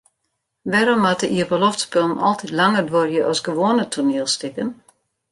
Wêrom moatte iepenloftspullen altyd langer duorje as gewoane toanielstikken?